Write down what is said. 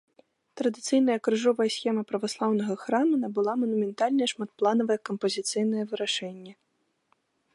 Традыцыйная крыжовая схема праваслаўнага храма набыла манументальнае шматпланавае кампазіцыйнае вырашэнне.